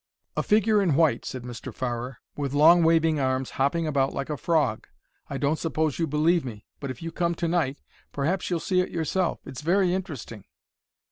"A figure in white," said Mr. Farrer, "with long waving arms, hopping about like a frog. I don't suppose you believe me, but if you come to night perhaps you'll see it yourself. It's very interesting.